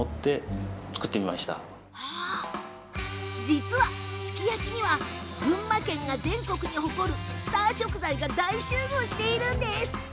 実は、すき焼きには群馬県が全国に誇るスター食材が大集合しているんです。